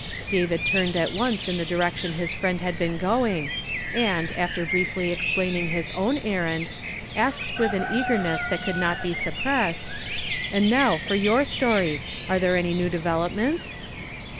David turned at once in the direction his friend had been going, and, after briefly explaining his own errand, asked with an eagerness that could not be suppressed, — "And now for your story. Are there any new developments